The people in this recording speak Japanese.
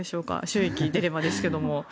収益、出ればですけれども。